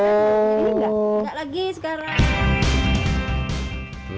jadi nggak nggak lagi sekarang